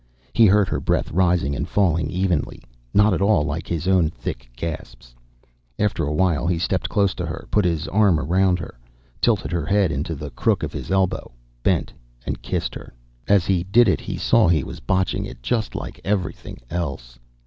He heard her breath rising and falling evenly, not at all like his own thick gasps. After a while he stepped close to her, put his arm around her, tilted her head into the crook of his elbow, bent, and kissed her. As he did it, he saw he was botching it just like everything else.